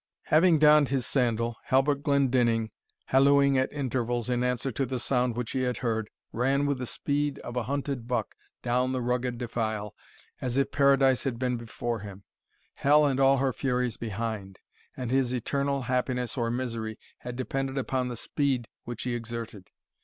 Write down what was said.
Having donned his sandal, Halbert Glendinning, hallooing at intervals, in answer to the sound which he had heard, ran with the speed of a hunted buck down the rugged defile, as if paradise had been before him, hell and all her furies behind, and his eternal happiness or misery had depended upon the speed which he exerted.